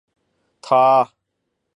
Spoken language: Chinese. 它们会撕开种皮及抽出胚。